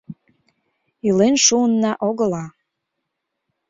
Илен шуынна-огыла...